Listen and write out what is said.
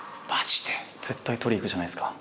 絶対取りに行くじゃないですか。